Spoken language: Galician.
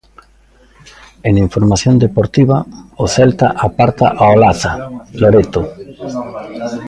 E na información deportiva, o Celta aparta a Olaza, Loreto.